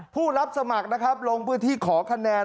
ผู้รับสมัครนะครับลงพื้นที่ขอคะแนน